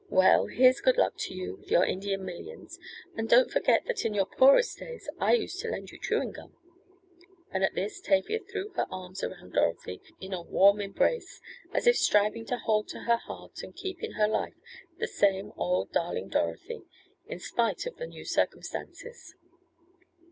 Well, here's good luck to you with your Indian millions, and don't forget that in your poorest days I used to lend you chewing gum," and at this Tavia threw her arms around Dorothy in a warm embrace, as if striving to hold to her heart and keep in her life the same old darling Dorothy in spite of the new circumstances.